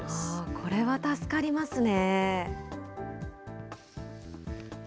これは助かりますね。